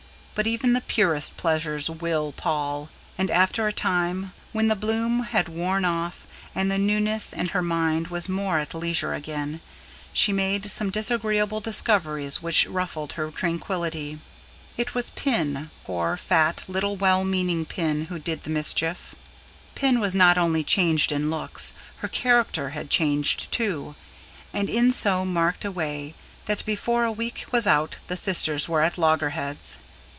But even the purest pleasures WILL pall; and after a time, when the bloom had worn off and the newness and her mind was more at leisure again, she made some disagreeable discoveries which ruffled her tranquillity. It was Pin, poor, fat, little well meaning Pin, who did the mischief Pin was not only changed in looks; her character had changed, too; and in so marked a way that before a week was out the sisters were at loggerheads.